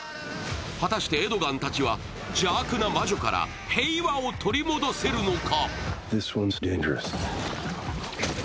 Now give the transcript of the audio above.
果たしてエドガンたちは邪悪な魔女から平和を取り戻せるのか。